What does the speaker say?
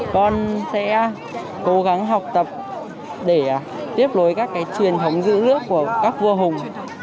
con sẽ cố gắng học tập để tiếp nối các cái truyền thống giữ nước của các vua hùng